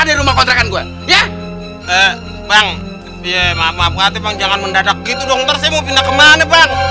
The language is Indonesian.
di rumah kontrakan gue ya bang iya maaf maaf jangan mendadak gitu dong tersebut pindah kemana